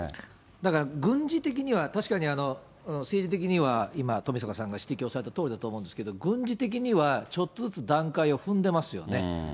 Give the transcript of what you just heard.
だから軍事的には確かに、政治的には今、富坂さんが指摘をされたとおりだと思うんですけれども、軍事的にはちょっとずつ段階を踏んでますよね。